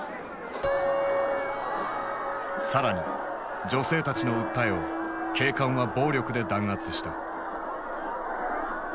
更に女性たちの訴えを警官は暴力で弾圧した。